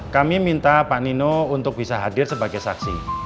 kami minta pak nino untuk bisa hadir sebagai saksi